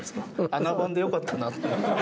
「あな番」でよかったなって。